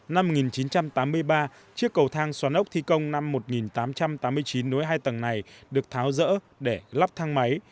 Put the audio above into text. năm một nghìn chín trăm tám mươi ba chiếc cầu thang xoàn ốc thi công năm một nghìn tám trăm tám mươi chín nối hai tầng này được tháo rỡ để lắp thang máy